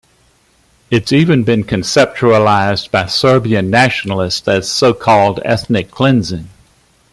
It's even been conceptualized by Serbian nationalists as so-called ethnic cleansing.